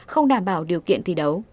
không đảm bảo điều kiện thi đấu